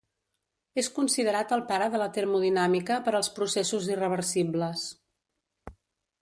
És considerat el pare de la termodinàmica per als processos irreversibles.